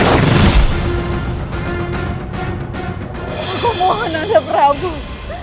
aku mohon anda berabun